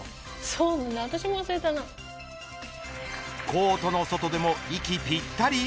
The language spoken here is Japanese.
コートの外でも息ぴったり。